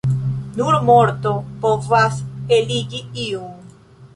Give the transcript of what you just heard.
Nur morto povas eligi iun.